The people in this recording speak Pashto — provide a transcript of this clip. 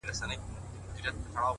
د کسمیر لوري د کابل او د ګواه لوري،